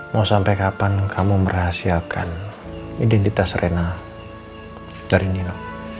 mau sampai kapan kamu merahasiakan identitas rena dari neno